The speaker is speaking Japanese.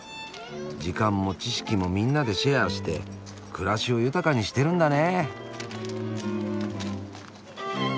時間も知識もみんなでシェアして暮らしを豊かにしてるんだね。